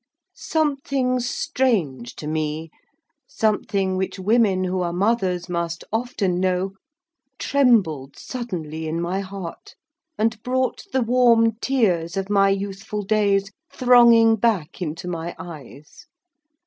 Something strange to me—something which women who are mothers must often know—trembled suddenly in my heart, and brought the warm tears of my youthful days thronging back into my eyes.